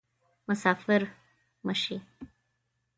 مسافر مه شي